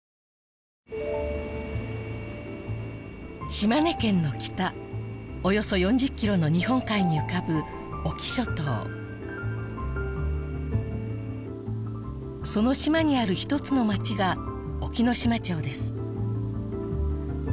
島根県の北およそ４０キロの日本海に浮かぶ隠岐諸島その島にあるひとつの町が隠岐の島町です